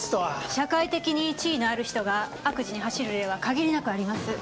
社会的に地位のある人が悪事に走る例は限りなくあります。